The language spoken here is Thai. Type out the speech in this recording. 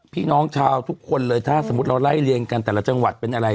เราทุกคนเลยถ้าสมมติเราไล่เลียงกันแต่ละจังหวัดเป็นอะไร